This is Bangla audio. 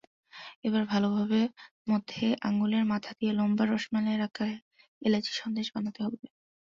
এবার ভালোভাবে মথে আঙুলের মাথা দিয়ে লম্বা রসমালাইয়ের আকারে এলাচি সন্দেশ বানাতে হবে।